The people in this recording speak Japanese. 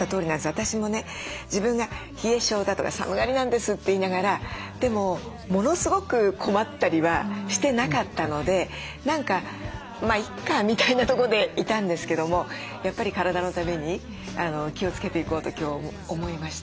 私もね自分が冷え性だとか寒がりなんですって言いながらでもものすごく困ったりはしてなかったので何か「まあいっか」みたいなとこでいたんですけどもやっぱり体のために気をつけていこうと今日思いました。